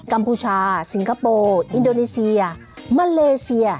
ัมพูชาสิงคโปร์อินโดนีเซียมาเลเซีย